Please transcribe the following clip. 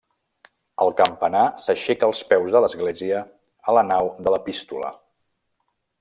El campanar s'aixeca als peus de l'església, a la nau de l'Epístola.